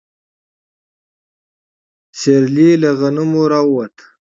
سيرلي له غنمو راووت.